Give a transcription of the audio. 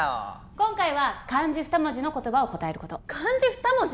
今回は漢字二文字の言葉を答えること漢字二文字？